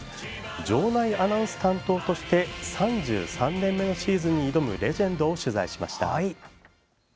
場内アナウンス担当として３３年目のシーズンに挑むレジェンドを取材しました。